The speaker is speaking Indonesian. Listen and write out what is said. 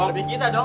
kece kita dong